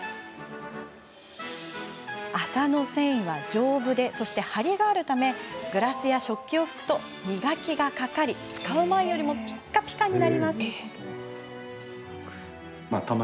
麻の繊維は丈夫で張りがあるためグラスや食器を拭くと磨きがかかり使う前よりもピカピカに。